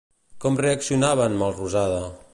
Com reaccionava en Melrosada?